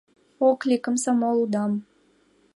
Ок лий — комсомол удам...